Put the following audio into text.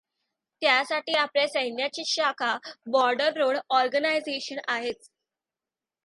त्यासाठी आपल्या सैन्याचीच शाखा, बॉर्डर रोड ऑर्गनायझेशन आहेच.